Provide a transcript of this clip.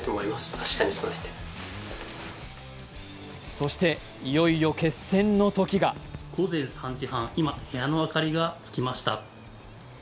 そして、いよいよ決戦のときが午前３時半、今部屋の明かりがつきました。